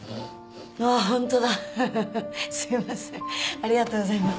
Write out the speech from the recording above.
ありがとうございます。